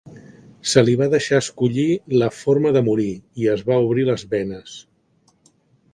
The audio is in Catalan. Se li va deixar escollir la forma de morir i es va obrir les venes.